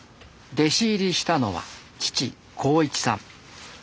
弟子入りしたのは父浩一さん。